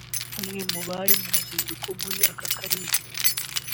umwe mu bari mu ruzinduko muri aka karere